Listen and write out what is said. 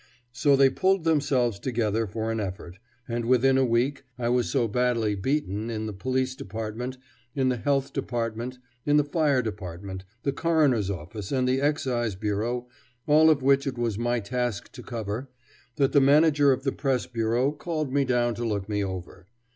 So they pulled themselves together for an effort, and within a week I was so badly "beaten" in the Police Department, in the Health Department, in the Fire Department, the Coroner's office, and the Excise Bureau, all of which it was my task to cover, that the manager of the Press Bureau called me down to look me over.